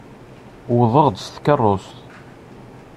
Wwḍeɣ-d s tkeṛṛust.